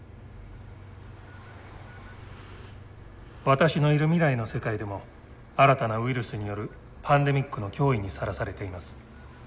私のいる未来の世界でも新たなウイルスによるパンデミックの脅威にさらされています。